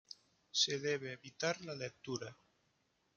Se debe evitar la lectura.